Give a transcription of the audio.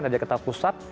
ada jakarta pusat